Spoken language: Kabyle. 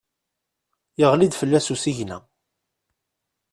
Yeɣli-d fell-as usigna.